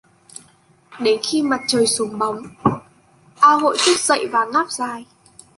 Đến khi mặt trời xuống bóng a hội thức dậy và ngáp dài